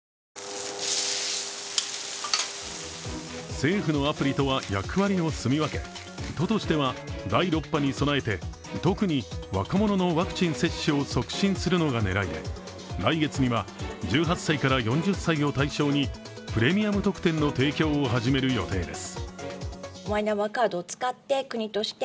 政府のアプリとは役割をすみ分け、都としては第６波に備えて、特に若者のワクチン接種を促進するのが狙いで、来月には１８歳から４０歳を対象にプレミアム特典の提供を始める予定です。